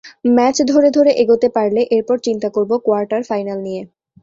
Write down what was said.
Match ধরে ধরে এগোতে পারলে এরপর চিন্তা করব কোয়ার্টার ফাইনাল নিয়ে।